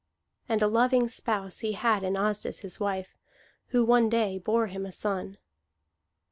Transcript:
And a loving spouse he had in Asdis, his wife, who one day bore him a son.